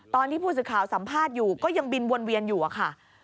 ตอนที่ผู้สื่อข่าวสัมภาษณ์อยู่ก็ยังบินวนเวียนอยู่อะค่ะ